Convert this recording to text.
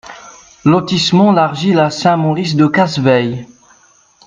Lotissement l'Argile à Saint-Maurice-de-Cazevieille